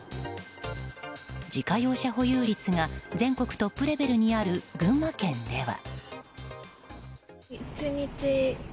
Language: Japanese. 自家用車保有率が全国トップレベルにある群馬県では。